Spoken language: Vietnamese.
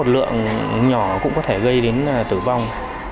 lượng nhỏ cũng có thể gây đến tử vong